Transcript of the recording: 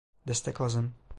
Destek lazım.